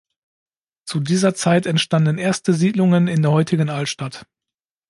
Zu dieser Zeit entstanden erste Siedlungen in der heutigen „Altstadt“.